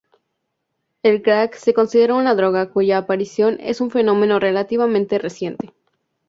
El crack se considera una droga cuya aparición es un fenómeno relativamente reciente.